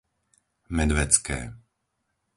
Medvecké